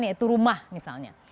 yaitu rumah misalnya